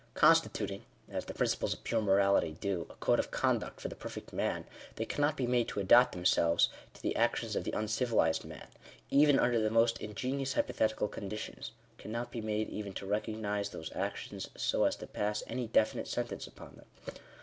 Constituting, as the principles of pure morality do, a code of conduct for the perfect man, they cannot be made to adapt themselves to the actions of the uncivilized man, even under the most ingenious hypo thetical conditions — cannot be made even to recognise those actions so as to pass any definite sentence upon them.